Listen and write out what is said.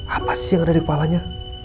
apa sih yang ada di kepalanya